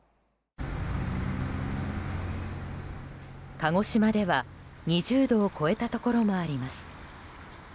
鹿児島では、２０度を超えたところもあります。